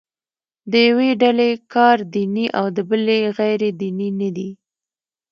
د یوې ډلې کار دیني او د بلې غیر دیني نه دی.